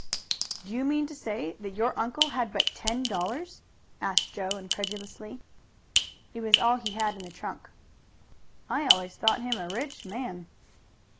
"Do you mean to say that your uncle had but ten dollars?" asked Joe incredulously. "It was all he had in the trunk." "I always thought him a rich man."